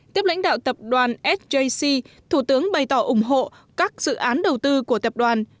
tiếp lãnh đạo tập đoàn sjc thủ tướng bày tỏ ủng hộ các dự án đầu tư của tập đoàn